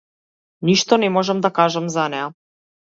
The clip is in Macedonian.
Ништо не можам да кажам за неа.